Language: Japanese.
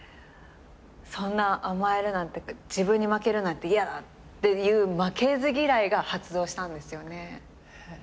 そんな甘えるなんて自分に負けるなんて嫌だっていう負けず嫌いが発動したんですよね。